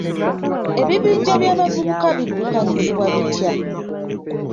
Ebibinja by'abavubuka biddukanyizibwa bitya?